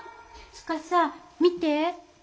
司見て。